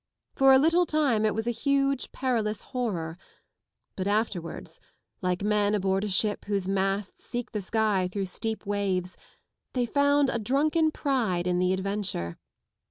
For a little time it was a huge perilous horror, but afterwards, like men aboard a ship whose masts seek the sky through steep waves, they found a drunken pride in the adventure.